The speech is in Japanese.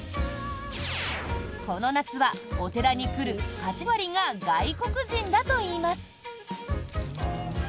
この夏は、お寺に来る８割が外国人だといいます。